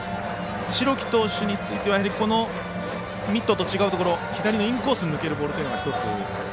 代木投手についてはやはり、ミットと違うところ左のインコースへ抜けるボールが。